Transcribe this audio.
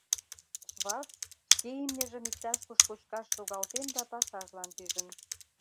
Шварц шке имньыжым иктаж-куш кочкаш шогалтен да пашажлан пижын.